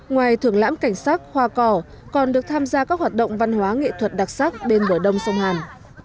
ngoài thưởng lãm cảnh sắc hoa cỏ còn được tham gia các hoạt động văn hóa nghệ thuật đặc sắc bên bờ đông sông hàn